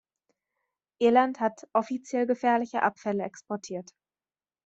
Irland hat offiziell gefährliche Abfälle exportiert.